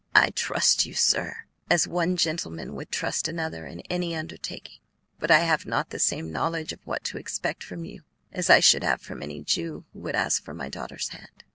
"I trust you, sir, as one gentleman would trust another in any undertaking; but I have not the same knowledge of what to expect from you as I should have from any Jew who would ask for my daughter's hand."